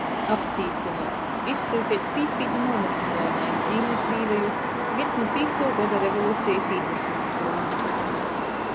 Apcītynuots, izsyuteits pīspīdu nūmatynuojumā iz Zīmeļkrīveju, vīns nu Pīktuo goda revolucejis īdvasmuotuoju,